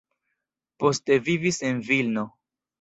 Poste vivis en Vilno.